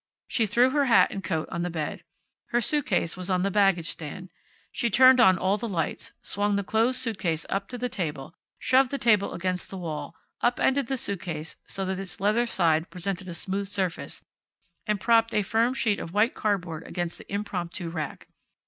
She threw her hat and coat on the bed. Her suitcase was on the baggage stand. She turned on all the lights, swung the closed suitcase up to the table, shoved the table against the wall, up ended the suitcase so that its leather side presented a smooth surface, and propped a firm sheet of white cardboard against the impromptu rack.